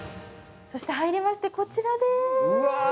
そして入りましてこちらです。